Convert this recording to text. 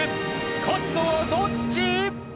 勝つのはどっち？